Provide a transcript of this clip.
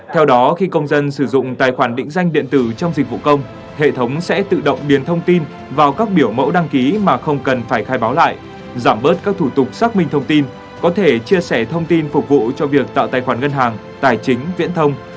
theo đó khi công dân sử dụng tài khoản định danh điện tử trong dịch vụ công hệ thống sẽ tự động điền thông tin vào các biểu mẫu đăng ký mà không cần phải khai báo lại giảm bớt các thủ tục xác minh thông tin có thể chia sẻ thông tin phục vụ cho việc tạo tài khoản ngân hàng tài chính viễn thông